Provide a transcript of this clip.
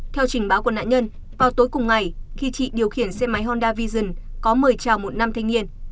theo trình báo của nạn nhân vào tối cùng ngày khi chị điều khiển xe máy honda vision có mời chào một nam thanh niên